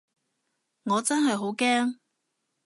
我真係好驚